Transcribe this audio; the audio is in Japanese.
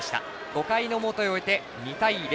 ５回の表を終えて２対０。